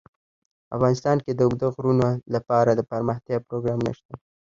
افغانستان کې د اوږده غرونه لپاره دپرمختیا پروګرامونه شته.